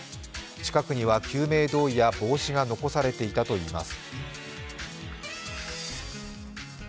近くには救命胴衣や帽子が残されていたといいます。